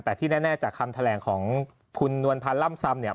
แต่ที่แน่จากคำแถลงของคุณนวลพันธ์ล่ำซำเนี่ย